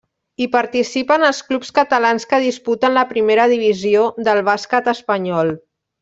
Hi participen els clubs catalans que disputen la primera divisió del bàsquet espanyol.